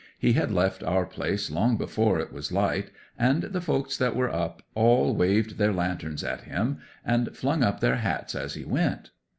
He had left our place long before it was light, and the folks that were up all waved their lanterns at him, and flung up their hats as he went.